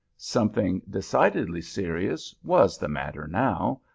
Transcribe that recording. Something decidedly serious was the matter now.